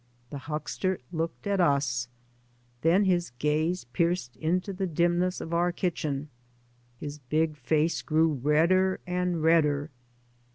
The huckster looked at tis, then his gaze pierced into the dimness of our kitchen. His big face grew redder and redder.